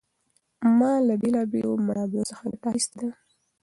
ما د بېلا بېلو منابعو څخه ګټه اخیستې ده.